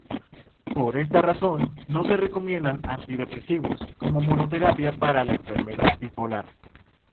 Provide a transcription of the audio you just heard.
Por esta razón, no se recomiendan antidepresivos como monoterapia para la enfermedad bipolar.